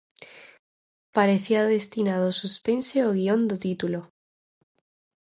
Parecía destinado ao suspense o guión do título.